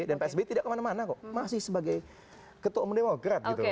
dan psb tidak kemana mana kok masih sebagai ketua umum demokrat gitu